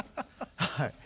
はい。